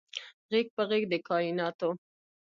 غیږ په غیږ د کائیناتو